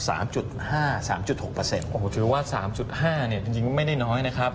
โอ้โหถือว่า๓๕เนี่ยจริงไม่ได้น้อยนะครับ